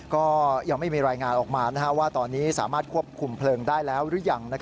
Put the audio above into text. ก็ยังไม่มีรายงานออกมาว่าตอนนี้สามารถควบคุมเพลิงได้แล้วหรือยัง